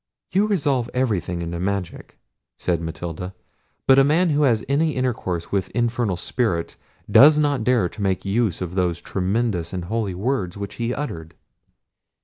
"You resolve everything into magic," said Matilda; "but a man who has any intercourse with infernal spirits, does not dare to make use of those tremendous and holy words which he uttered.